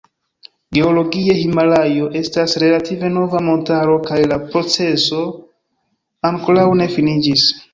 Geologie Himalajo estas relative nova montaro kaj la proceso ankoraŭ ne finiĝis.